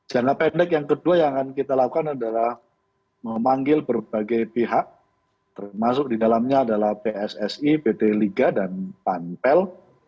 jangka pendek yang kedua yang akan kita lakukan adalah memanggil berbagai pihak termasuk di dalamnya adalah pssi pt liga dan panpel